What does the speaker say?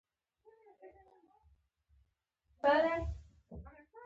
ستا د خوښې رستورانت کوم دی؟